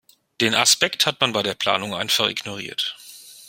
Den Aspekt hat man bei der Planung einfach ignoriert.